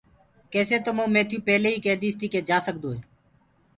ڪيسي تو مئو ميٿيٚو پيلي ئيٚ ڪي ديٚسي ڪي تو جآسگدوئي